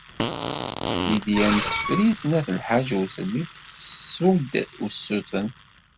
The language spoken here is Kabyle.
Lidya n Tifrit n At Lḥaǧ ur telli tettessu-d usuten.